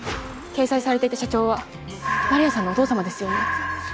掲載されていた社長は丸谷さんのお父様ですよね？